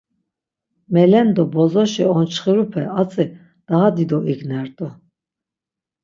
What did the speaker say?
Melendo bozoşi onçxirupe hatzi daha dido ignert̆u.